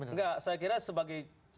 enggak saya kira sebagai